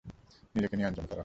নিজেকে নিয়ন্ত্রণ করো।